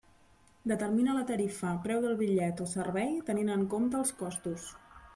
Determina la tarifa, preu del bitllet o servei, tenint en compte els costos.